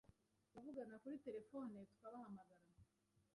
Ubuzima butabeshyauwarinze igihe kirekire